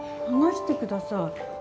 離してください。